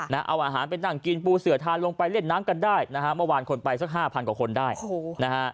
เอาอาหารไปนั่งกินปูเสือทานลงไปเล่นน้ำกันได้นะฮะเมื่อวานคนไปสักห้าพันกว่าคนได้โอ้โหนะฮะ